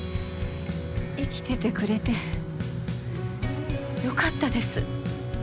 生きててくれてよかったです。